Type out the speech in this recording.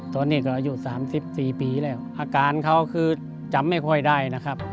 ตอนนี้ก็อายุ๓๔ปีแล้วอาการเขาคือจำไม่ค่อยได้นะครับ